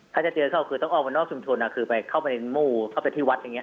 ถ้าจะเจอเขาคือต้องออกมานอกชุมชนคือไปเข้าไปมู่เข้าไปที่วัดอย่างนี้